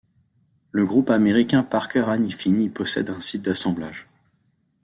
Le groupe américain Parker-Hannifin y possède un site d'assemblage.